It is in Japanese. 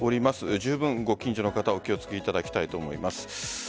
じゅうぶん、ご近所の方お気を付けいただきたいと思います。